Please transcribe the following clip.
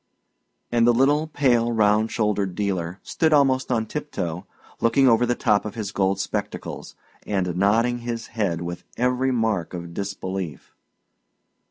And the little pale, round shouldered dealer stood almost on tip toe, looking over the top of his gold spectacles, and nodding his head with every mark of disbelief.